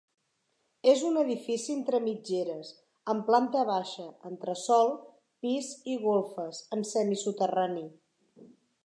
És un edifici entre mitgeres, amb planta baixa, entresòl, pis i golfes, amb semisoterrani.